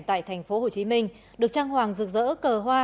tại thành phố hồ chí minh được trang hoàng rực rỡ cờ hoa